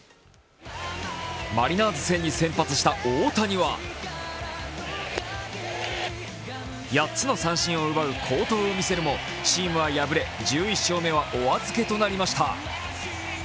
マリナーズ戦に先発した大谷は８つの三振を奪う好投を見せるもチームは敗れ、１１勝目はお預けとなりました。